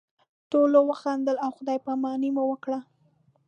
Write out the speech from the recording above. ټولو وخندل او خدای پاماني مو وکړه.